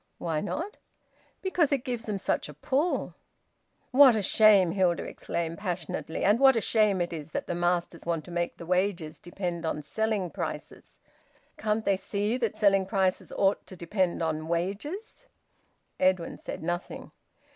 "Why not?" "Because it gives them such a pull." "What a shame!" Hilda exclaimed passionately. "And what a shame it is that the masters want to make the wages depend on selling prices! Can't they see that selling prices ought to depend on wages?" Edwin said nothing.